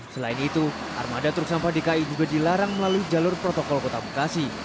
selain itu armada truk sampah dki juga dilarang melalui jalur protokol kota bekasi